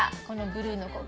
このブルーの。